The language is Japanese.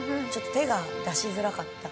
手が出しづらかった。